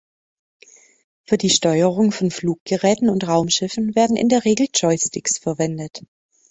Für die Steuerung von Fluggeräten und Raumschiffen werden in der Regel Joysticks verwendet.